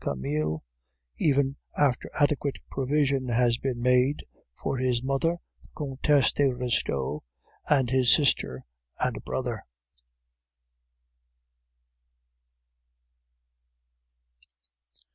Camille, even after adequate provision has been made for his mother the Comtesse de Restaud and his sister and brother."